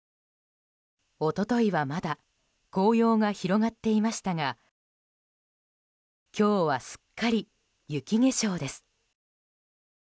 一昨日はまだ紅葉が広がっていましたが今日はすっかり雪化粧です。